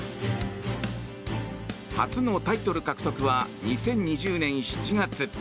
初のタイトル獲得は２０２０年７月。